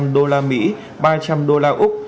một trăm linh đô la mỹ ba trăm linh đô la úc